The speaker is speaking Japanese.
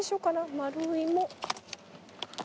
丸いも。